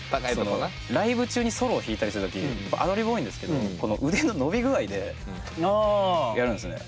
ライブ中にソロを弾いたりする時アドリブ多いんですけどこの腕の伸び具合でやるんですよね。